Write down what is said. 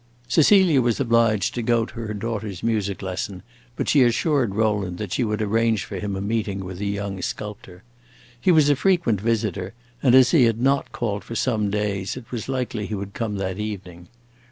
Cecilia was obliged to go to her daughter's music lesson, but she assured Rowland that she would arrange for him a meeting with the young sculptor. He was a frequent visitor, and as he had not called for some days it was likely he would come that evening.